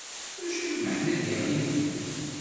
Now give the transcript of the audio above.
D acu n lmeḥna i d-yeɣlin fell-ak?